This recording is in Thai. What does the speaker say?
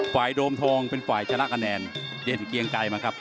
โดมทองเป็นฝ่ายชนะคะแนนเด่นเกียงไกรมาครับ